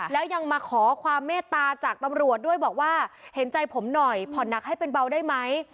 แล้วยังมาขอความเมตตาจากตำรวจด้วยบอกว่าเห็นใจผมหน่อยผ่อนหนักให้เป็นเบาได้ไหม